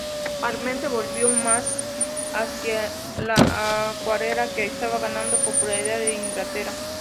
Palmer se volvió más hacia la acuarela, que estaba ganando popularidad en Inglaterra.